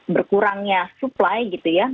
berkurangnya supply gitu ya